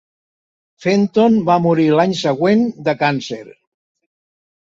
Fenton va morir l'any següent de càncer.